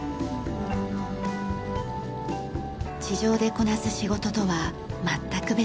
地上でこなす仕事とは全く別の感覚。